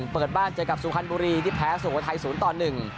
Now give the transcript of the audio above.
เปิดบ้านเจอกับสุคัทบุรีที่แพ้สวทายศูนย์ตอน